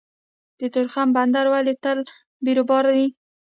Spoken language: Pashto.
د تورخم بندر ولې تل بیروبار وي؟